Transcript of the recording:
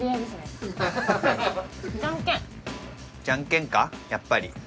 じゃんけんかやっぱり。